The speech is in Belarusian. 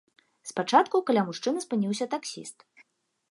Спачатку каля мужчыны спыніўся таксіст.